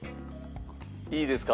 いいですか？